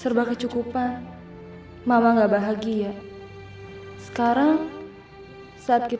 enggak enggak enggak